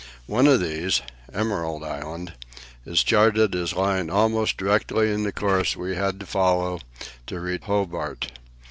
One of these Emerald Island is charted as lying almost directly in the course we had to follow to reach Hobart.